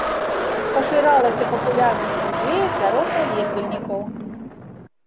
Пашыралася папулярнасць музея сярод наведвальнікаў.